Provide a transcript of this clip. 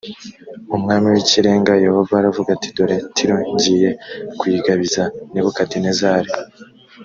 umwami w ikirenga yehova aravuga ati dore tiro ngiye kuyigabiza nebukadinezari